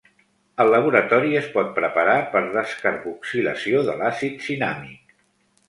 Al laboratori es pot preparar per descarboxilació de l'àcid cinàmic.